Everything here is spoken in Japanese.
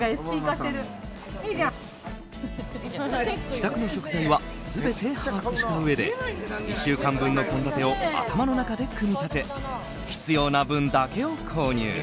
自宅の食材は全て把握したうえで１週間分の献立を頭の中で組み立て必要な分だけを購入。